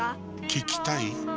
聞きたい？